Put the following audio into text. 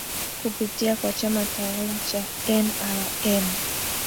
kupitia kwa chama tawala cha nrm